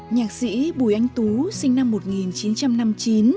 nhạc sĩ bùi anh tú sinh năm một nghìn chín trăm năm mươi chín